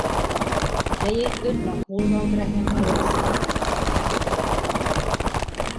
Helyét öt nap múlva Graham Alexander vette át.